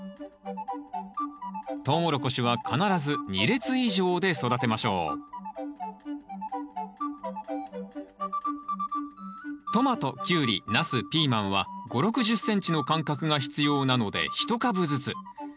トウモロコシは必ず２列以上で育てましょうトマトキュウリナスピーマンは５０６０ｃｍの間隔が必要なので１株ずつ。